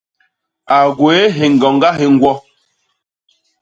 A gwéé hiñgoñga hi ñgwo.